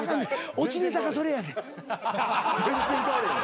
オチネタがそれやねん。